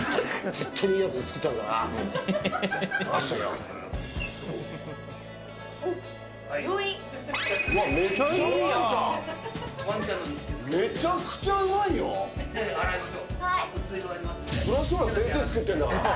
絶対にいいやつ作ってやるからな。